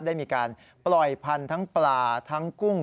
ได้มีการปล่อยพันธุ์ทั้งปลาทั้งกุ้ง